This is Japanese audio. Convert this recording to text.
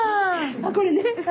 あこれね。